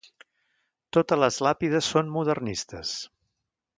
Totes les làpides són modernistes.